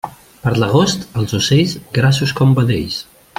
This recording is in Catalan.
Per l'agost, els ocells, grassos com vedells.